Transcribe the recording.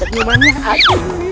aduh cocoknya lis